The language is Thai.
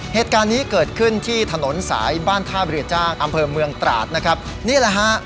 เหตุการณ์นี้เกิดขึ้นที่ถนนสายบ้านท่าเรือจ้างอำเภอเมืองตราดนะครับนี่แหละฮะ